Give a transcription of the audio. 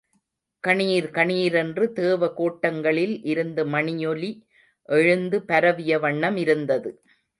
கணீர் கணீரென்றுதேவ கோட்டங்களில் இருந்து மணியொலி எழுந்து பரவிய வண்ண மிருந்தது.